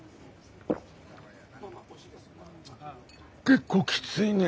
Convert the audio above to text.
結構きついね。